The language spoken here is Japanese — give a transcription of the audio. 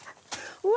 うわ！